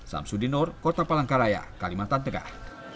sam sudinur kota palangkaraya kalimantan tengah